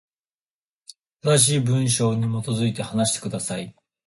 正しい文法に基づいて、話してください。